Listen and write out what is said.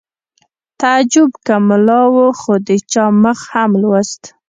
تعجب که ملا و خو د چا مخ هم لوست